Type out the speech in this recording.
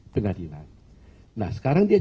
pengadilan nah sekarang dia